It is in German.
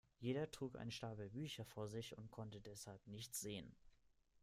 Jeder trug einen Stapel Bücher vor sich und konnte deshalb nichts sehen.